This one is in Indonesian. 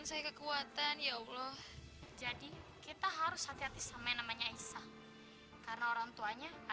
sampai jumpa di video selanjutnya